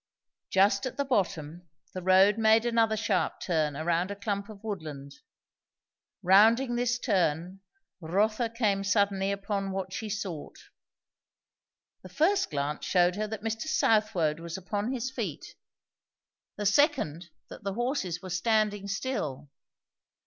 Just at the bottom the road made another sharp turn around a clump of woodland. Rounding this turn, Rotha came suddenly upon what she sought. The first glance shewed her that Mr. Southwode was upon his feet; the second that the horses were standing still.